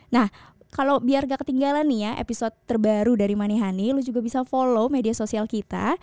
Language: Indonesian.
nah kalau biar gak ketinggalan nih ya episode terbaru dari manihani lu juga bisa follow media sosial kita